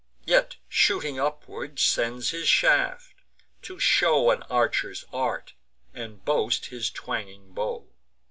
Yet, shooting upward, sends his shaft, to show An archer's art, and boast his twanging bow.